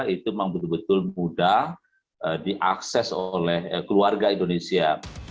itu memang betul betul mudah diakses oleh keluarga indonesia